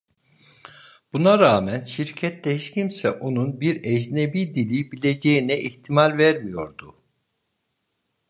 Buna rağmen şirkette hiç kimse onun bir ecnebi dili bileceğine ihtimal vermiyordu.